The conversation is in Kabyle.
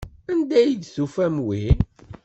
Anda ay d-tufam wi?